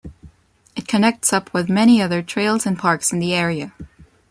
It connects up with many other trails and parks in the area.